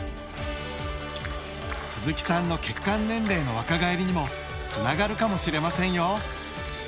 鈴木さんの血管年齢の若返りにもつながるかもしれませんよ。